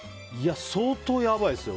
相当やばいですよ。